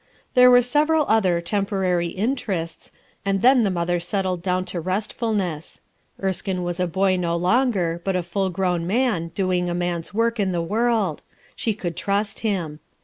There were several other temporary interests, A SPOILED MOTHER 103 and then the mother settled down to rcstfclness. Ersianc was a boy no longer, but a full grown man, doing a man's work in the world; she could trust him.